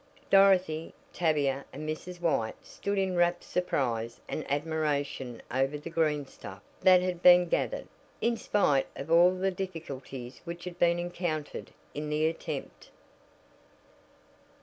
Dorothy, Tavia and Mrs. White stood in rapt surprise and admiration over the "greenstuff" that had been gathered, in spite of all the difficulties which had been encountered in the attempt.